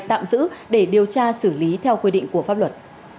tạm giữ để điều tra xử lý theo quy định của pháp luật